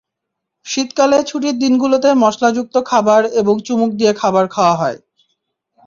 শীতকালে ছুটির দিনগুলোতে মসলাযুক্ত খাবার এবং চুমুক দিয়ে খাবার খাওয়া হয়।